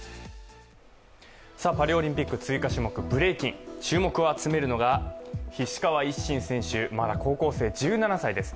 パリオリンピック追加種目ブレイキン、注目を集めるのは菱川一心選手、まだ高校生１７歳です。